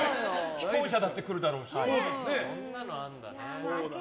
既婚者だって来るだろうし。